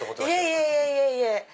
いえいえいえいえ。